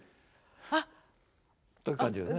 あっ。という感じでね。